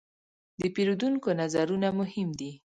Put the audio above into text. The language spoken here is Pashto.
د پیرودونکو نظرونه مهم دي.